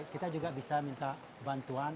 kita juga bisa minta bantuan